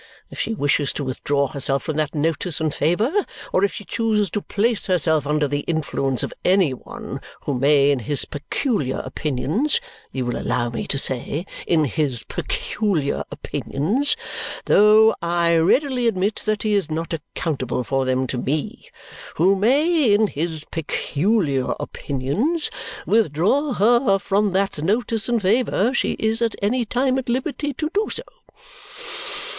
If she wishes to withdraw herself from that notice and favour or if she chooses to place herself under the influence of any one who may in his peculiar opinions you will allow me to say, in his peculiar opinions, though I readily admit that he is not accountable for them to me who may, in his peculiar opinions, withdraw her from that notice and favour, she is at any time at liberty to do so.